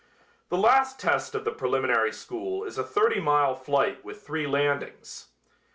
The last test of the preliminary school is a thirty mile flight with three landings.